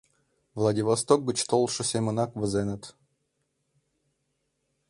Владивосток гыч толшо семынак возеныт.